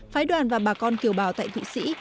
phái đoàn và bà con kiều bào tại thụy sĩ